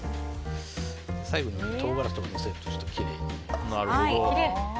最後に唐辛子とかのせるとちょっときれいに見えます。